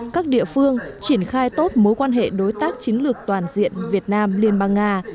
các địa phương triển khai tốt mối quan hệ đối tác chiến lược toàn diện việt nam liên bang nga